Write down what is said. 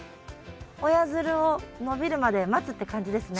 親づるを伸びるまで待つって感じですね。